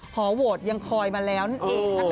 หอโหวตยังคอยมาแล้วนั่นเองนะคะ